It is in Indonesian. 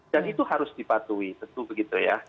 dan itu harus dipatuhi tentu begitu ya